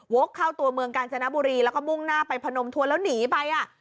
โวกเข้าตัวเมืองกาญจงบุรีละก็มุ่งหน้าไปผนมถัวแล้วหนีไป